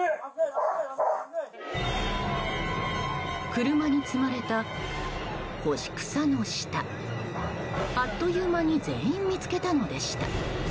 車に積まれた干し草の下あっという間に全員見つけたのでした。